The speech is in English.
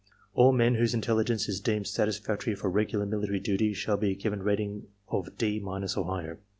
All men whose intelli gence is deemed satisfactory for regular military duty shall be given rating of D— or higher.